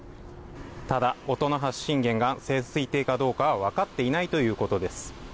ただ、音の発信源が潜水艇かどうかはわかっていないということです。